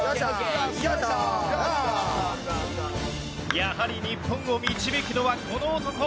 やはり日本を導くのはこの男。